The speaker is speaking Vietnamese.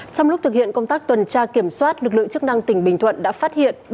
trong lúc thực hiện công tác tuần tra kiểm soát lực lượng chức năng tỉnh bình thuận đã phát hiện